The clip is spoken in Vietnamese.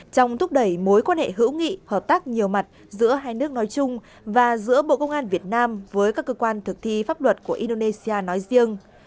trong thúc đẩy mối quan hệ hữu nghị hợp tác nhiều mặt giữa hai nước nói chung và giữa bộ công an việt nam với các cơ quan thực thi pháp luật của indonesia nói riêng